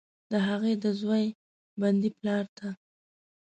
د هغې، د زوی، بندي پلارته،